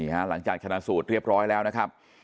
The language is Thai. หลังจากชนะสูตรเรียบร้อยแล้วนะครับ